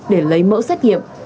để lấy mẫu xét nghiệm